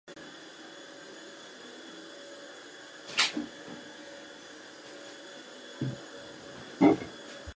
She argued that "a new leader is needed to take on the challenges ahead".